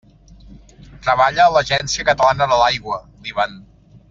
Treballa a l'Agència Catalana de l'Aigua, l'Ivan.